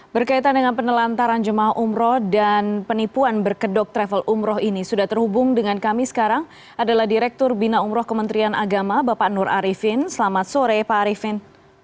berkaitan dengan penelantaran jemaah umroh dan penipuan berkedok travel umroh ini sudah terhubung dengan kami sekarang adalah direktur bina umroh kementerian agama bapak nur arifin selamat sore pak arifin